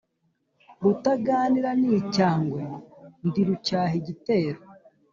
Rutaganira n'icyangwe, ndi Rucyaha igitero